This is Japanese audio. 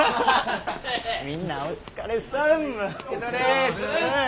みんなお疲れさん。